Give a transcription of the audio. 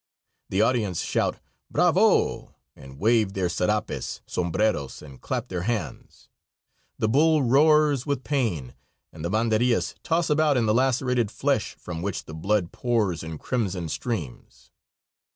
The audience shout "bravo," and wave their serapes, sombreros and clap their hands. The bull roars with pain, and the banderillas toss about in the lacerated flesh, from which the blood pours in crimson streams.